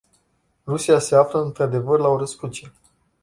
Rusia se află, într-adevăr, la o răscruce.